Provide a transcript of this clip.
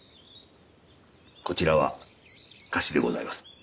こちらは菓子でございます